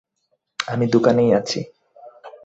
আমি দোকানেই আছি।